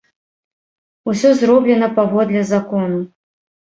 Усё зроблена паводле закону.